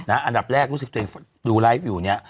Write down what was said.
อันดับแรกรู้สึกตัวเองดูไลฟ์อยู่เนี่ย